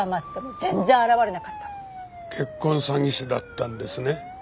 結婚詐欺師だったんですね。